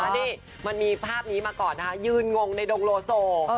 นี่มันมีภาพนี้มาก่อนนะคะยืนงงในดงโลโซ